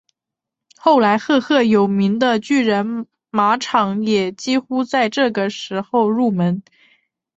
后来赫赫有名的巨人马场也几乎在这个时候入门。